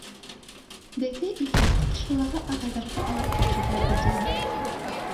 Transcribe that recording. Беҙҙе иһә ҡаршылағы ағайҙарға алып китергә булдылар.